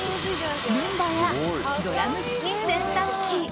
ルンバやドラム式洗濯機。